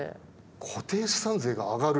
固定資産税が上がる？